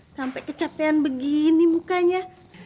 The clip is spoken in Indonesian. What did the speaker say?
sampai kecapean begini mukanya